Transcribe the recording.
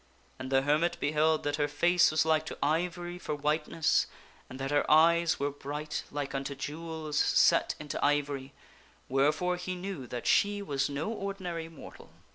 And the hermit beheld that her face was like to ivory for whiteness and that her eyes were bright, like unto jewels set into ivory, wherefore he knew that she was no ordinary mortal.